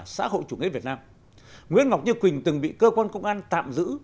xã hội chủ nghĩa việt nam nguyễn ngọc như quỳnh từng bị cơ quan công an tạm giữ